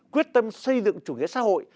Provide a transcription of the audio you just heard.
quyết tâm xây dựng chủ nghĩa xã hội